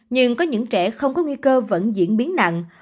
nhưng có những trẻ không có nguy cơ vẫn diễn biến nặng